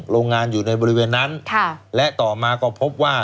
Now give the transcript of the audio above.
โรงงานอยู่ในบริเวณนั้นและต่อมาก็พบว่า